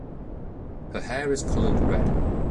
Her hair is colored red.